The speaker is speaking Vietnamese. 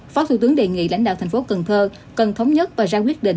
phó thủ tướng đề nghị lãnh đạo thành phố cần thơ cần thống nhất và ra quyết định